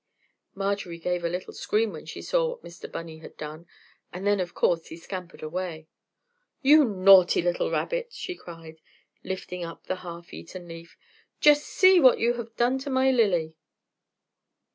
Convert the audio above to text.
Marjorie gave a little scream when she saw what Mr. Bunny had done, and then of course he scampered away. "You naughty little rabbit," she cried, lifting up the half eaten leaf, "just see what you've done to my lily."